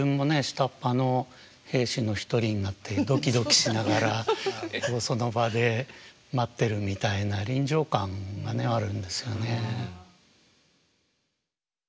下っ端の兵士の一人になってドキドキしながらその場で待ってるみたいな臨場感があるんですよね。